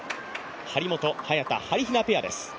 張本、早田のはりひなペアです。